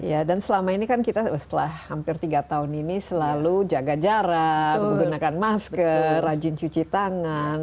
ya dan selama ini kan kita setelah hampir tiga tahun ini selalu jaga jarak menggunakan masker rajin cuci tangan